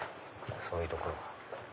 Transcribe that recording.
そういうとこ。